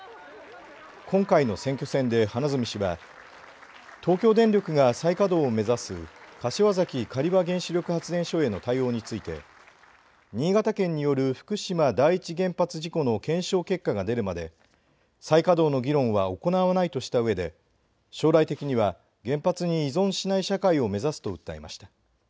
今回の選挙戦で花角氏は東京電力が再可動を目指す柏崎刈羽原子力発電所への対応について新潟県による福島第一原発事故の検証結果が出るまで再稼働の議論は行わないとした上で将来的には原発に依存しない社会を目指すと訴えました。